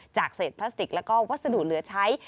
จากเศษพลาสติกแล้วก็วัสดุเหลือใช้